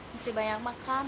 mesti banyak makan